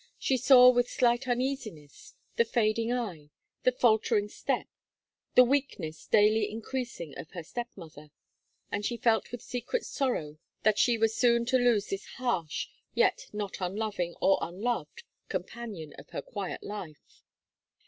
She saw with silent uneasiness, the fading eye, the faltering step, the weakness daily increasing of her step mother; and she felt with secret sorrow that she was soon to lose this harsh, yet not unloving or unloved companion of her quiet life.